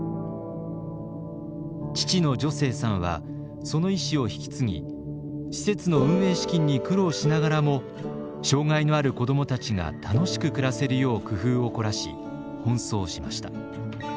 父の助成さんはその意思を引き継ぎ施設の運営資金に苦労しながらも障害のある子どもたちが楽しく暮らせるよう工夫を凝らし奔走しました。